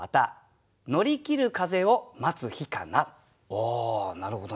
おおなるほどね。